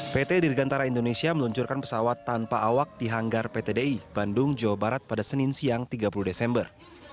pt dirgantara indonesia meluncurkan pesawat tanpa awak di hanggar pt di bandung jawa barat pada senin siang tiga puluh desember